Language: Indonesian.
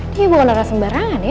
dia bau laran sembarangan ya